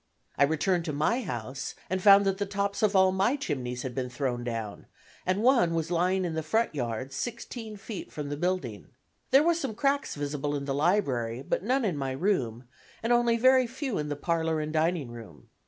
I returned to my house and found that the tops of all my chimneys had been thrown down, and one was lying in the front yard sixteen feet from the building. There were some cracks visible in the library, but none in my room, and only very few in the parlor and dining room.